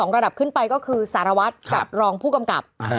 ระดับขึ้นไปก็คือสารวัตรกับรองผู้กำกับ